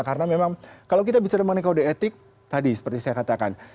karena memang kalau kita bisa menikmati kode etik tadi seperti saya katakan